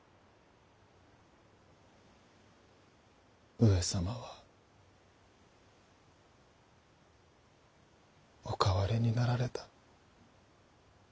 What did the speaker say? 上様はお変わりになられた。